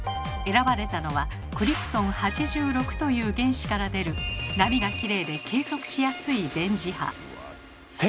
選ばれたのは「クリプトン８６」という原子から出る波がきれいで計測しやすい電磁波。